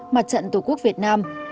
mặt trận tổ quốc việt nam